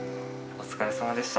お疲れさまでした。